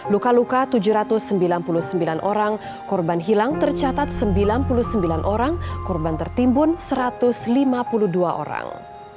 luka luka tujuh ratus sembilan puluh sembilan orang korban hilang tercatat sembilan puluh sembilan orang korban tertimbun satu ratus lima puluh dua orang